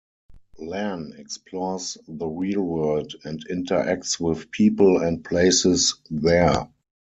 Lan explores the real world and interacts with people and places there.